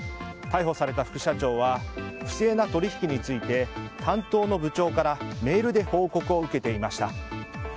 逮捕された副社長は不正な取引について担当の部長からメールで報告を受けていました。